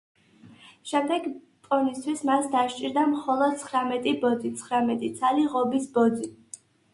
შემდეგ, პონისთვის, მას დასჭირდა მხოლოდ ცხრამეტი ბოძი, ცხრამეტი ცალი ღობის ბოძი.